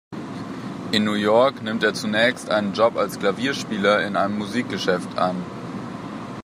In New York nimmt er zunächst einen Job als Klavierspieler in einem Musikgeschäft an.